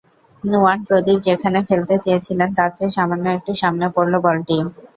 নুয়ান প্রদীপ যেখানে ফেলতে চেয়েছিলেন, তার চেয়ে সামান্য একটু সামনে পড়ল বলটি।